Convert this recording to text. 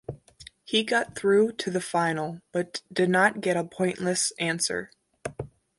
He got through to the final but did not get a Pointless answer.